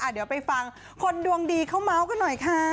เดี๋ยวไปฟังคนดวงดีเขาเมาส์กันหน่อยค่ะ